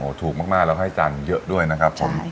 ถูกมากแล้วให้จานเยอะด้วยนะครับผม